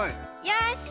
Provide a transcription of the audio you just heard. よし！